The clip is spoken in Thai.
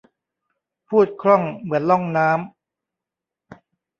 พูดคล่องเหมือนล่องน้ำ